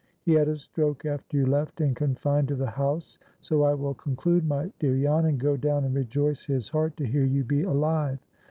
He had a stroke after you left, and confined to the house, so I will conclude, my dear Jan, and go down and rejoice his heart to hear you be alive.